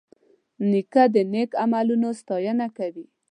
نیکه د نیک عملونو ستاینه کوي.